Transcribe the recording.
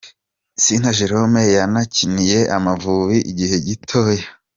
Sina Gerome yanakiniye Amavubi igihe gitoya.